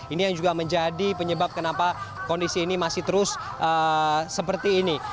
ini yang juga menjadi penyebab kenapa kondisi ini masih terus seperti ini